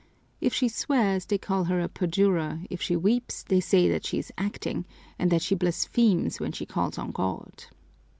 If she swears, they call her a perjurer; if she weeps, they say that she is acting; and that she blasphemes when she calls on God.